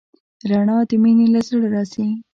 رڼا د مینې له زړه راځي.